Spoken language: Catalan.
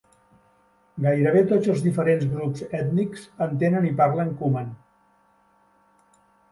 Gairebé tots els diferents grups ètnics entenen i parlen kuman.